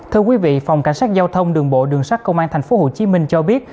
thưa quý vị phòng cảnh sát giao thông đường bộ đường sát công an tp hcm cho biết